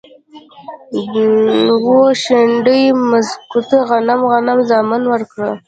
و، شنډو مځکوته غنم، غنم زامن ورکړه